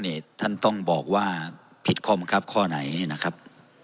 ท่านต้องบอกว่าผิดข้อบังคับข้อไหนนะครับ